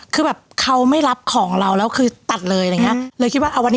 คือแบบเค้าไม่รับของเราแล้วคือตัดเลยนะ